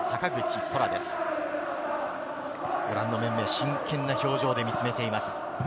真剣な表情で見つめています。